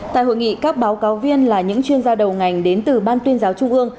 tại hội nghị các báo cáo viên là những chuyên gia đầu ngành đến từ ban tuyên giáo trung ương